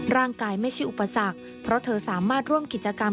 ไม่ใช่อุปสรรคเพราะเธอสามารถร่วมกิจกรรม